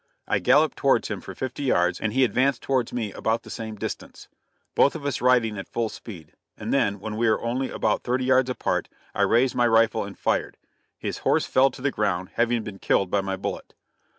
I galloped towards him for fifty yards and he advanced towards me about the same distance, both of us riding at full speed, and then, when we were only about thirty yards apart, I raised my rifle and fired; his horse fell to the ground, having been killed by my bullet.